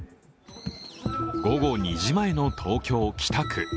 午後２時前の東京・北区。